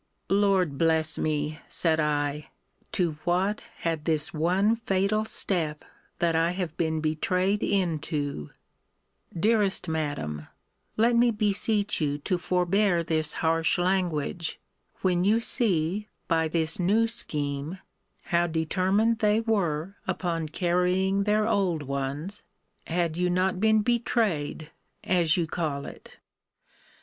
Lord bless me! said I, to what had this one fatal step that I have been betrayed into Dearest Madam, let me beseech you to forbear this harsh language, when you see, by this new scheme, how determined they were upon carrying their old ones, had you not been betrayed, as you call it.